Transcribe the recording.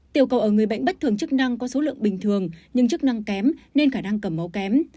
tiểu cầu ở người bệnh bất thường chức năng có số lượng bình thường nhưng chức năng kém nên khả năng cầm máu kém